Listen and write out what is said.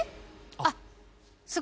あっ。